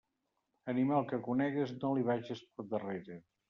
Animal que no conegues, no li vages per darrere.